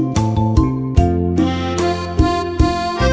พี่เคยร้องไหมคะ